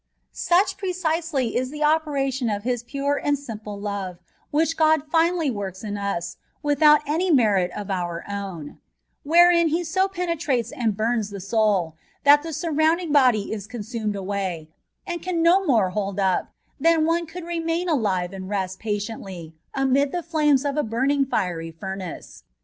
Such precisely is that operation of His pure and simple love which God finally works in us, without any merit of our own ; wherein He so penetrates and bums the soul, that the surrounding body is consumed away, and can no more hold up, than one could remain alive and rest patiently amid the flames of a buming fìery fumace.